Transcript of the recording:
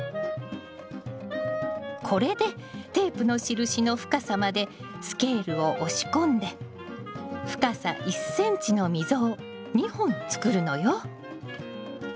これでテープの印の深さまでスケールを押し込んで深さ１ｃｍの溝を２本作るのよ。